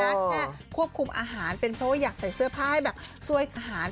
แค่ควบคุมอาหารเป็นเพราะว่าอยากใส่เสื้อผ้าให้แบบช่วยหาร